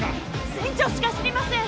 船長しか知りません